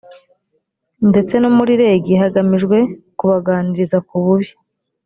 ndetse no muri reg hagamijwe kubaganiriza ku bubi